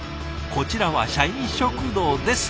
「こちらは社員食堂です。」